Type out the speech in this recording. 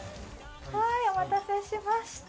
はいお待たせしました。